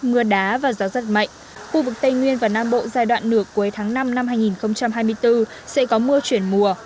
mưa đá và gió rất mạnh khu vực tây nguyên và nam bộ giai đoạn nửa cuối tháng năm năm hai nghìn hai mươi bốn sẽ có mưa chuyển mùa